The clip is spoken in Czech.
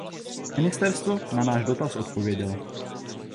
Ministerstvo na náš dotaz odpovědělo.